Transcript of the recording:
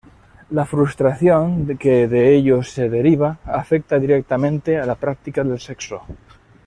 La frustración que de ello se deriva afecta directamente a la práctica del sexo.